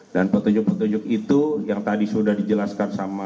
dan petunjuk petunjuk itu yang tadi sudah dijelaskan